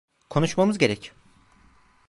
Konuşmamız gerek.